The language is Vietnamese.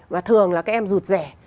và thường là các em rụt rẻ